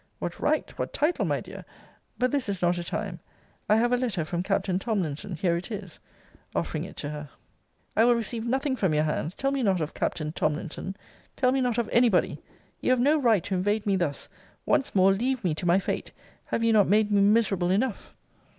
What right, what title, my dear! But this is not a time I have a letter from Captain Tomlinson here it is offering it to her I will receive nothing from your hands tell me not of Captain Tomlinson tell me not of any body you have no right to invade me thus once more leave me to my fate have you not made me miserable enough?